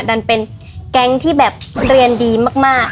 ดันเป็นแก๊งที่แบบเรียนดีมาก